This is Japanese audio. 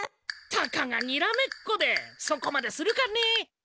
たかがにらめっこでそこまでするかね。